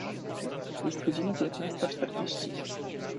Jest godzina piętnasta czterdzieści.